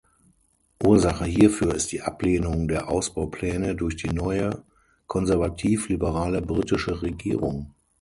Ursache hierfür ist die Ablehnung der Ausbaupläne durch die neue konservativ-liberale britische Regierung.